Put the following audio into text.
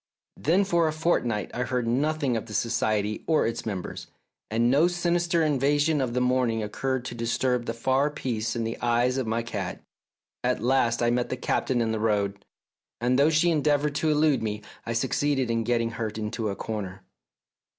Then for a fortnight I heard nothing of the Society or its members, and no sinister invasion of the morning occurred to disturb the far peace in the eyes of my cat. At last I met the Captain in the road, and though she endeavoured to elude me, I succeeded in getting her into a corner.